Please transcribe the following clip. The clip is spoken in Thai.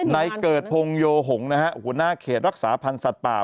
ในเกิดพงโยหงษ์นะฮะหัวหน้าเขตรักษาพันธ์สัตว์ป่า